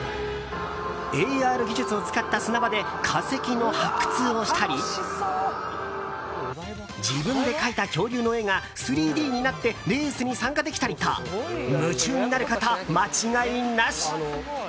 ＡＲ技術を使った砂場で化石の発掘をしたり自分で描いた恐竜の絵が３Ｄになってレースに参加できたりと夢中になること間違いなし。